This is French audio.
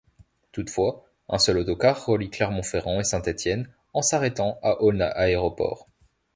Toutefois, un seul autocar relie Clermont-Ferrand et Saint-Étienne en s'arrêtant à Aulnat-Aéroport.